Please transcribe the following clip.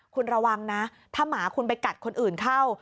คุณระวังนะถ้าหมาคุณไปกัดคนอื่นเข้า